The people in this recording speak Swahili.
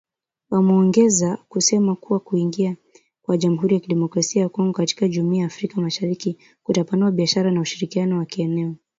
Wameongeza kusema kuwa kuingia kwa Jamhuri ya Kidemokrasia ya Kongo katika Jumuia ya Afrika Mashariki kutapanua biashara na ushirikiano wa kieneo